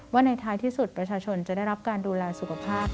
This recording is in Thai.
ว่าในท้ายที่สุดประชาชนจะได้รับการดูแลสุขภาพ